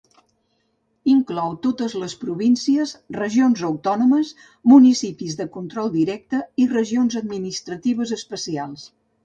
Inclou totes les províncies, regions autònomes, municipis de control directe i regions administratives especials.